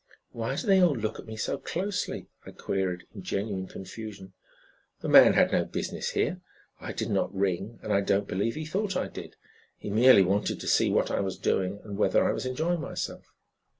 "Why do they all look at me so closely?" I queried, in genuine confusion. "The man had no business here. I did not ring, and I don't believe he thought I did. He merely wanted to see what I was doing and whether I was enjoying myself.